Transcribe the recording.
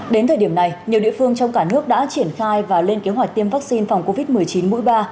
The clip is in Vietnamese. đến thời điểm này nhiều địa phương trong cả nước đã triển khai và lên kế hoạch tiêm vaccine phòng covid một mươi chín mũi ba